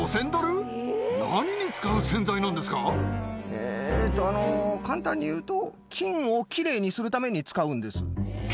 えっとあの簡単に言うと。